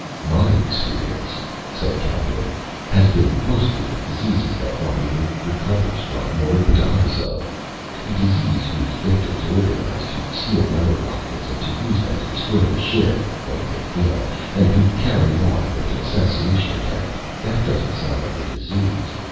"My experience," said Calhoun, "has been mostly with diseases that one either recovers from or dies of. A disease whose victims organize to steal weather rockets and to use them to destroy a ship only they failed and who carry on with an assassination attempt ... that doesn't sound like a disease!